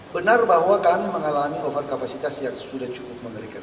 benar bahwa kami mengalami overcapasitas yang sudah cukup mengerikan